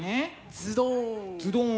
ズドン。